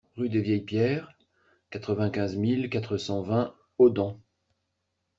Ruelle des Vieilles Pierres, quatre-vingt-quinze mille quatre cent vingt Hodent